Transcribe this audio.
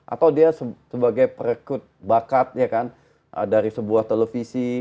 atau dia sebagai perekrut bakat ya kan dari sebuah televisi